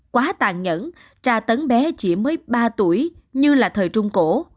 quá tàn nhẫn tra tấn bé chỉ mới ba tuổi như là thời trung cổ